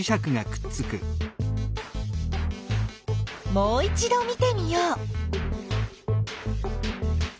もういちど見てみよう。